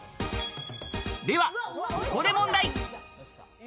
では、ここで問題。